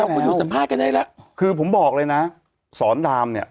คุณยุสัมภาษณ์กันได้แล้วคือผมบอกเลยนะสอนดามเนี่ย